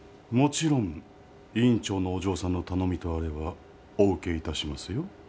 もちろん医院長のお嬢さんの頼みとあればお受けいたしますよ